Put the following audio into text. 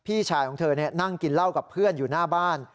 พี่ชายของเธอนั่งกินเหล้ากับเพื่อนอยู่หน้าบ้าน